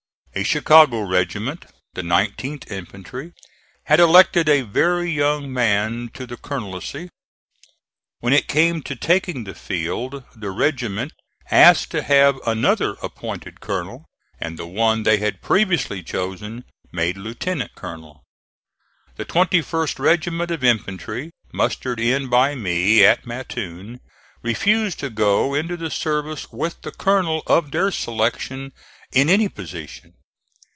A Chicago regiment, the 19th infantry, had elected a very young man to the colonelcy. When it came to taking the field the regiment asked to have another appointed colonel and the one they had previously chosen made lieutenant colonel. The 21st regiment of infantry, mustered in by me at Mattoon, refused to go into the service with the colonel of their selection in any position.